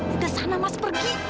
udah sana mas pergi